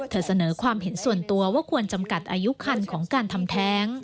เสนอความเห็นส่วนตัวว่าควรจำกัดอายุคันของการทำแท้ง